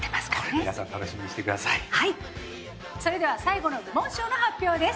それでは最後の部門賞の発表です！